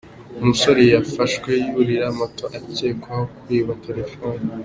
Umusore yafashwe yuriye moto akekwaho kwiba telefoni